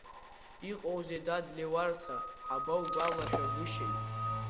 Иҟоузеи, дад, Леуарса, ҳабоугәалашәагәышьеи?